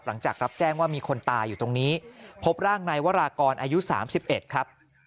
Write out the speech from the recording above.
หลังจากรับแจ้งว่ามีคนตายอยู่ตรงนี้พบร่างนายวรากรอายุ๓๑ครับ